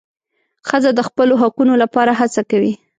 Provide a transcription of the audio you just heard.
ښځه د خپلو حقونو لپاره هڅه کوي.